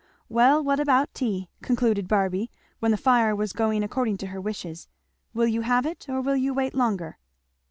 "Well what about tea?" concluded Barby, when the fire was going according to her wishes. "Will you have it, or will you wait longer?"